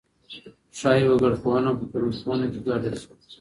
ښايي وګړپوهنه په ټولنپوهنه کي ګډه سي.